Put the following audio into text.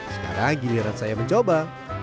sekarang giliran saya mencoba